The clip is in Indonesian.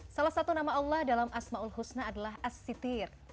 salah satu nama allah dalam asma'ul husna adalah as sitir